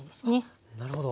なるほど。